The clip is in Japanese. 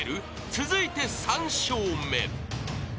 ［続いて３笑目］